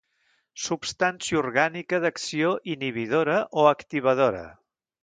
Substància orgànica d'acció inhibidora o activadora.